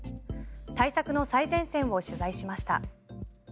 対策の最前線を取材しました。